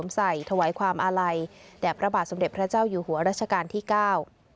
ใส่ถวายความอาลัยแด่พระบาทสมเด็จพระเจ้าอยู่หัวรัชกาลที่เก้า